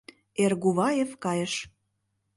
Эргуваев кайыш.